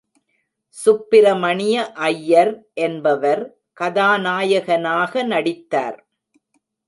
சுப்பிரமணிய ஐயர் என்பவர் கதாநாயகனாக நடித்தார்.